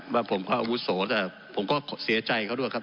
ว่าผมก็อาวุโสแต่ผมก็เสียใจเขาด้วยครับ